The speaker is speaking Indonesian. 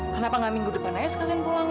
kenapa gak minggu depan aja sekalian pulang ya